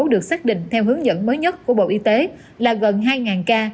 được xác định theo hướng dẫn mới nhất của bộ y tế là gần hai ca